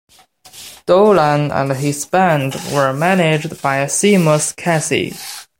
Dolan and his band were managed by Seamus Casey.